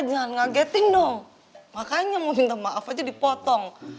jangan ngageting dong makanya mau minta maaf aja dipotong